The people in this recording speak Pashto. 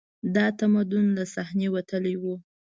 دا تمدن له صحنې وتلی و